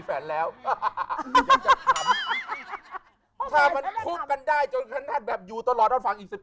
ถ้าเป็นดูน่าดูสำดวงด้วย